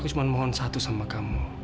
aku cuma mohon satu sama kamu